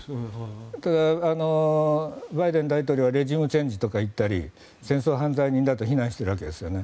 ただ、バイデン大統領はレジームチェンジとか言ったり戦争犯罪人だと非難しているわけです。